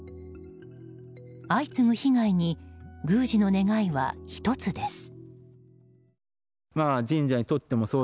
相次ぐ被害に宮司の願いは１つです。